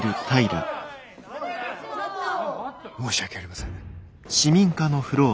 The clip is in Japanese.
申し訳ありません。